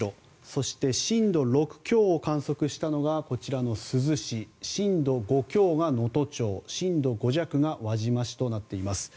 そして震度６強を観測したのが珠洲市震度５強が能登町震度５弱が輪島市となっています。